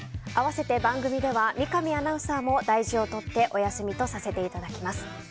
併せて番組では三上アナウンサーも大事を取ってお休みとさせていただきます。